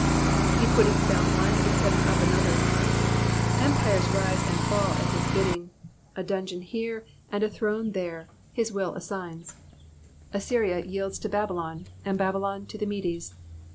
'*He putteth down one^ and setteth up another,'*^ Empires rise and fall at his bidding. A dungeon here, and there a throne, his will assigns. Assyria yields to Babylon, and Babylon to the Medes.